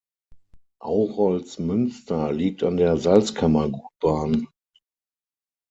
Aurolzmünster liegt an der Salzkammergutbahn.